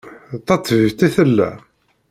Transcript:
D taṭbibt i tella?